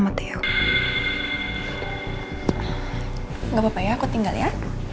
gapapa ya aku tinggal ya